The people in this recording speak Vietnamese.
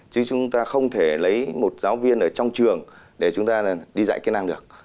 chứ chúng ta không thể lấy một giáo viên ở trong trường để chúng ta đi dạy kỹ năng được